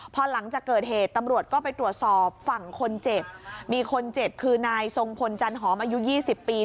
พอหลังจากเกิดเหตุตำรวจก็ไปตรวจสอบฝั่งคนเจ็บมีคนเจ็บคือนายทรงพลจันหอมอายุ๒๐ปี